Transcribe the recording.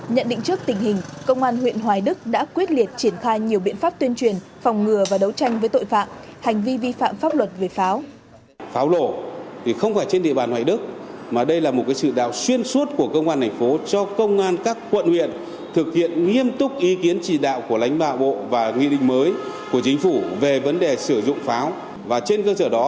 nhận định trước tình hình công an huyện hoài đức đã quyết liệt triển khai nhiều biện pháp tuyên truyền phòng ngừa và đấu tranh với tội phạm hành vi vi phạm pháp luật về pháo